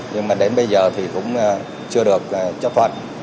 nhưng mà đến bây giờ thì cũng chưa được chấp thuận